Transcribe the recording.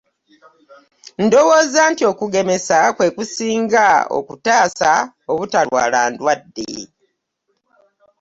Ndowooza nti okugemesa kwekusinga okutaasa obutalwaala ndwadde.